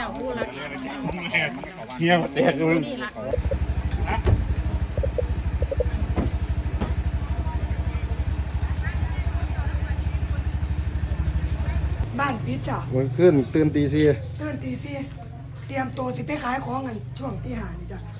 อันดับสุดท้ายก็คืออันดับสุดท้าย